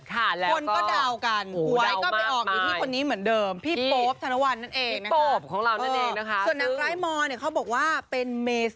คุณก็ดาวกัน